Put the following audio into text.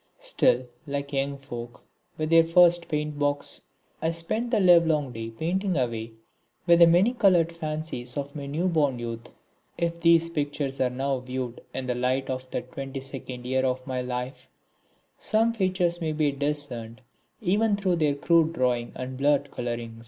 Still, like young folk with their first paint box, I spent the livelong day painting away with the many coloured fancies of my new born youth. If these pictures are now viewed in the light of that twenty second year of my life, some features may be discerned even through their crude drawing and blurred colouring.